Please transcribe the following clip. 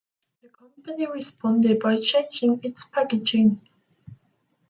The company responded by changing its packaging.